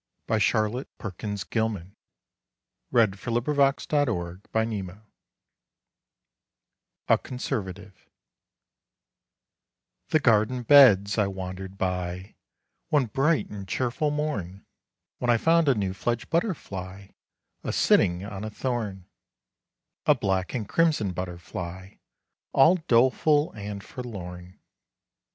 1919. Charlotte Perkins Gilman1860–1935 A Conservative THE GARDEN beds I wandered byOne bright and cheerful morn, When I found a new fledged butterfly,A sitting on a thorn,A black and crimson butterflyAll doleful and forlorn.